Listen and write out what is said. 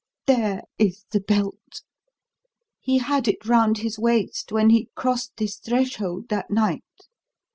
"There is the belt! He had it round his waist when he crossed this threshold that night.